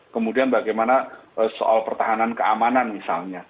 kemudian bagaimana soal pertahanan keamanan misalnya